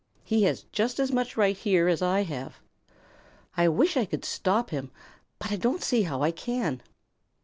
He has just as much right here as I have. I wish I could stop him, but I don't see how I can."